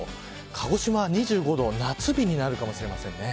鹿児島は２５度夏日になるかもしれません。